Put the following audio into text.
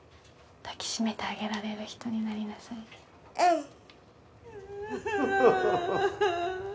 抱き締めてあげられる人になりなさい